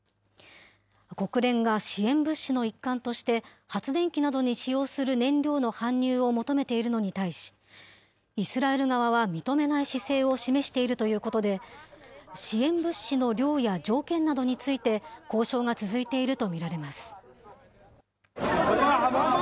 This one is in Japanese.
国連が支援物資の一環として発電機などに使用する燃料の搬入を求めているのに対し、イスラエル側は認めない姿勢を示しているということで、支援物資の量や条件などについて、交渉が続いていると見られます。